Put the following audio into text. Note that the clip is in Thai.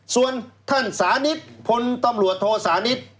ส่วนท่านสานิทพลตำรวจโทสานิท